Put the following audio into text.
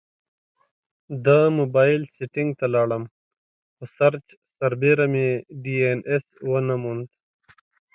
د مبایل سیټینګ ته لاړم، خو سرچ سربیره مې ډي این ایس ونه موند